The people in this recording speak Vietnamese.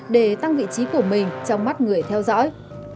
để tăng vị trí của mình trong mắt người theo dõi